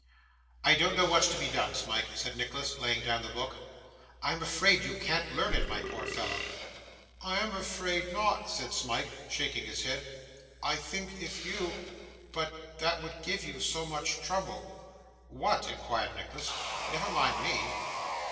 'I don't know what's to be done, Smike,' said Nicholas, laying down the book. 'I am afraid you can't learn it, my poor fellow.' 'I am afraid not,' said Smike, shaking his head. 'I think if you but that would give you so much trouble.' 'What?' inquired Nicholas. 'Never mind me.